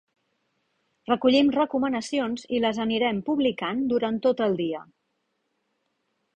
Recollim recomanacions i les anirem publicant durant tot el dia.